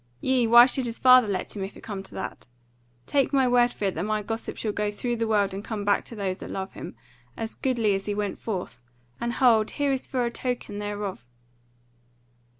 Yea, why should his father let him, if it come to that? Take my word for it that my gossip shall go through the world and come back to those that love him, as goodly as he went forth. And hold! here is for a token thereof."